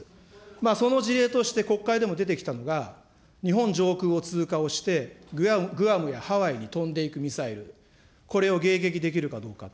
その事例として、国会でも出てきたのが、日本上空を通過をして、グアムやハワイに飛んでいくミサイル、これを迎撃できるかどうか。